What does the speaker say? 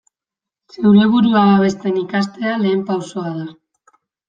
Zeure burua babesten ikastea lehen pausoa da.